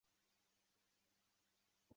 该组织的总部位于尼科西亚。